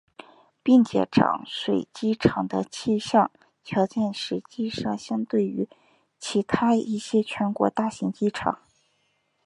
并且长水机场的气象条件实际上相对好于其他一些全国大型机场。